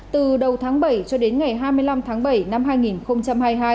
từ đầu tháng bảy cho đến ngày hai mươi năm tháng bảy năm hai nghìn hai mươi hai